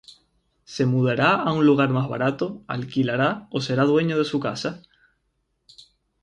¿Se mudará a un lugar más barato, alquilará o será dueño de su casa?